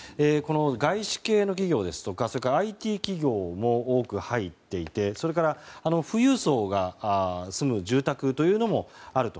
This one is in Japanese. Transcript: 外資系の企業ですとかＩＴ企業も多く入っていてそれから富裕層が住む住宅もあると。